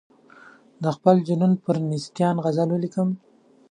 د خپل جنون پر نیستان غزل ولیکم.